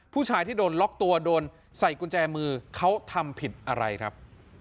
ผู้ชายที่โดนล็อกตัวโดนใส่กุญแจมือเขาทำผิดอะไรครับ